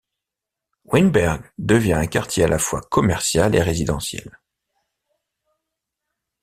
Wynberg devient un quartier à la fois commercial et résidentiel.